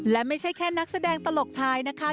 และไม่ใช่แค่นักแสดงตลกชายนะคะ